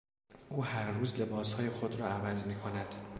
او هر روز لباسهای خود را عوض میکند.